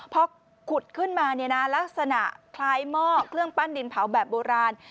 พอขุดขึ้นมาลักษณะคล้ายหม้อเครื่องปั้นดินเผาแบบโบราณ